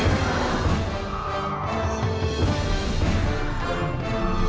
สวัสดีครับ